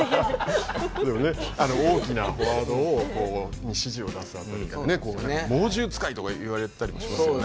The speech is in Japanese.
でもねあの大きなフォワードに指示を出す辺りからね猛獣つかいとか言われたりもしますよね。